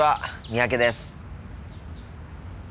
三宅です。